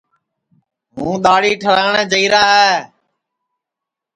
ہوں دؔاڑی ٹھراٹؔے جائیرا ہے